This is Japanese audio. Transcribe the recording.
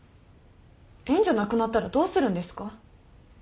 援助なくなったらどうするんですか？